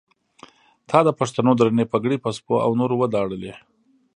تا د پښتنو درنې پګړۍ په سپو او نورو وداړلې.